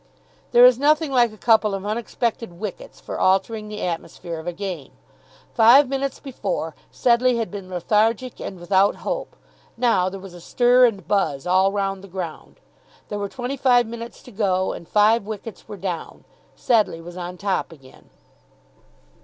There is nothing like a couple of unexpected wickets for altering the atmosphere of a game. Five minutes before, Sedleigh had been lethargic and without hope. Now there was a stir and buzz all round the ground. There were twenty five minutes to go, and five wickets were down. Sedleigh was on top again.